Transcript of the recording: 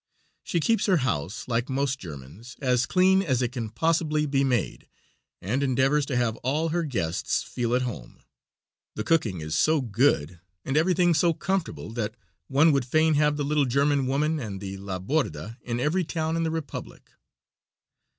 She keeps her house, like most Germans, as clean as it can possibly be made, and endeavors to have all her guests feel at home. The cooking is so good and everything so comfortable that one would fain have the little German woman and the La Borda in every town in the Republic.